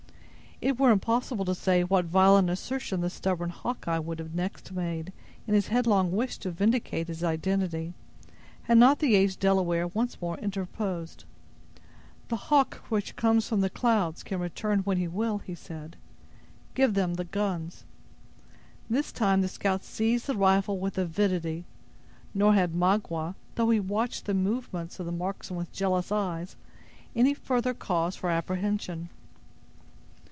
It were impossible to say what violent assertion the stubborn Hawkeye would have next made, in his headlong wish to vindicate his identity, had not the aged Delaware once more interposed. "The hawk which comes from the clouds can return when he will," he said; "give them the guns." This time the scout seized the rifle with avidity; nor had Magua, though he watched the movements of the marksman with jealous eyes, any further cause for apprehension.